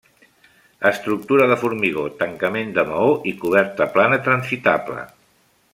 Estructura de formigó, tancament de maó i coberta plana transitable.